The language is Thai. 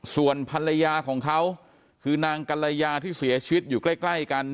ส่วนภรรยาของเขาคือนางกัลยาที่เสียชีวิตอยู่ใกล้กัน